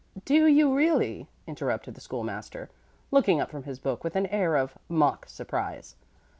"Do you, really?" interrupted the School master, looking up from his book with an air of mock surprise.